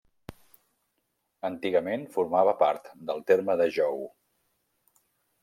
Antigament formava part del terme de Jou.